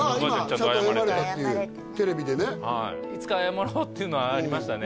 今ちゃんと謝れたっていうテレビでねはいいつか謝ろうっていうのはありましたね